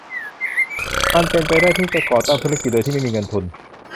มันเป็นไปได้ที่จะก่อตั้งธุรกิจโดยที่ไม่มีเงินทุน